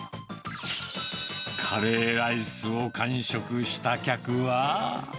カレーライスを完食した客は。